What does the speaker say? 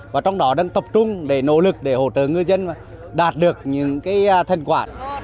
và trong đó đang tập trung nỗ lực để hỗ trợ ngư dân đạt được những thân quả